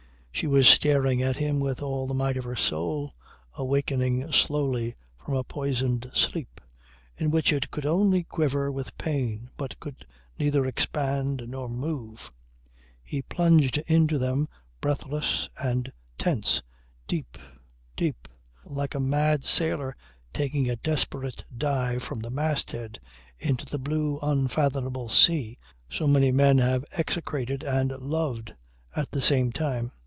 She was staring at him with all the might of her soul awakening slowly from a poisoned sleep, in which it could only quiver with pain but could neither expand nor move. He plunged into them breathless and tense, deep, deep, like a mad sailor taking a desperate dive from the masthead into the blue unfathomable sea so many men have execrated and loved at the same time.